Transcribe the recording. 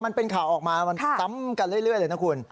มันเป็นข่าวออกมามันซ้ำกันเรื่อยเลยนะคุณ